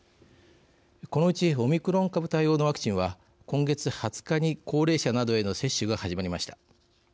このうちオミクロン株対応のワクチンは今月２０日に高齢者などへの接種が始まりました。